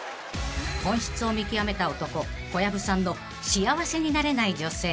［本質を見極めた男小籔さんの幸せになれない女性］